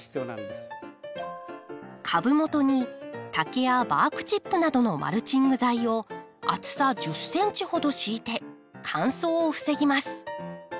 株元に竹やバークチップなどのマルチング材を厚さ１０ｃｍほど敷いて乾燥を防ぎます。